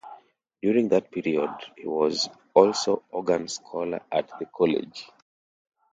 During that period, he was also organ scholar at the college.